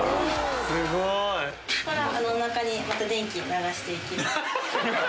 すごい！・おなかにまた電気流していきます